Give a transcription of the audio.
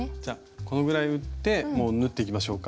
このぐらい打ってもう縫っていきましょうか。